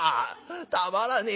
たまらねえ